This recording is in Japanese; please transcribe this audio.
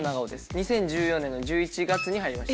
２０１４年の１１月に入りました。